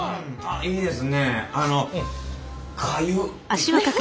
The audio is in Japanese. いいですよ。